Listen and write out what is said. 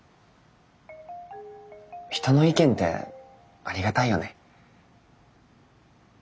人の意見ってありがたいよね。